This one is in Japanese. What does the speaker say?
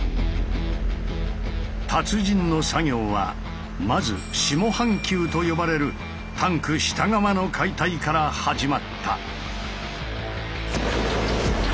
達人の作業はまず下半球と呼ばれるタンク下側の解体から始まった。